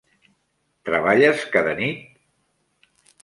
Treballes cada nit?